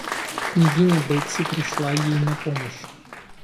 Княгиня Бетси пришла ей на помощь.